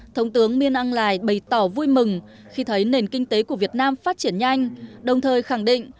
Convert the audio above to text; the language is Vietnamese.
thống tướng min aung hlai bày tỏ vui mừng khi thấy nền kinh tế của việt nam phát triển nhanh đồng thời khẳng định